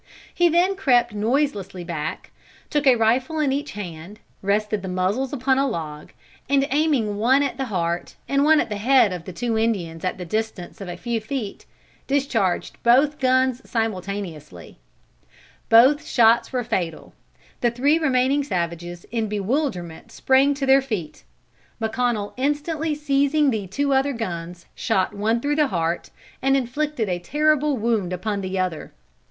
He then crept noiselessly back, took a rifle in each hand, rested the muzzles upon a log, and aiming one at the heart, and one at the head of two Indians at the distance of a few feet, discharged both guns simultaneously. "Both shots were fatal. The three remaining savages in bewilderment sprang to their feet. McConnel instantly seizing the two other guns, shot one through the heart, and inflicted a terrible wound upon the other.